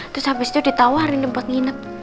terus habis itu ditawarin emput nginep